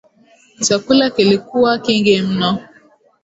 Chakula kilikuwa kingi mno